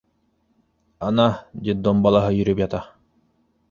— Ана, детдом балаһы йөрөп ята.